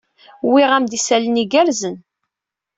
Wwiɣ-am-d isalan igerrzen.